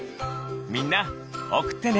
みんなおくってね！